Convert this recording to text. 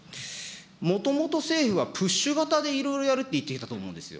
もともと政府はプッシュ型でいろいろやると言っていたと思うんですよ。